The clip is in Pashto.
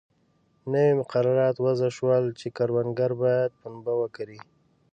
نوي مقررات وضع شول چې کروندګر باید پنبه وکري.